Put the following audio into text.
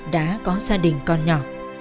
đã có gia đình con nhỏ